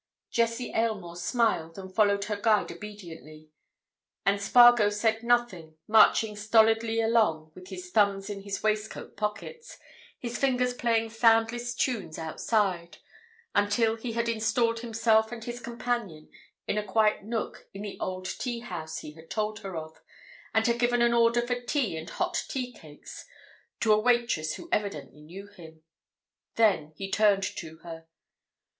Jessie Aylmore smiled and followed her guide obediently. And Spargo said nothing, marching stolidly along with his thumbs in his waistcoat pockets, his fingers playing soundless tunes outside, until he had installed himself and his companion in a quiet nook in the old tea house he had told her of, and had given an order for tea and hot tea cakes to a waitress who evidently knew him. Then he turned to her.